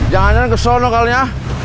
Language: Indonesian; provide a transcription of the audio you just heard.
jangan jangan kesono kali ya